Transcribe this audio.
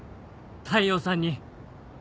大陽さんに。